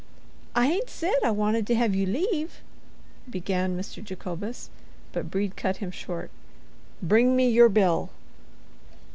"I hain't said I wanted to hev ye leave——" began Mr. Jacobus; but Brede cut him short. "Bring me your bill."